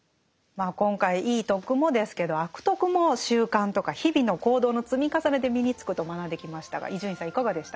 今回いい「徳」もですけど「悪徳」も習慣とか日々の行動の積み重ねで身につくと学んできましたが伊集院さんいかがでしたか？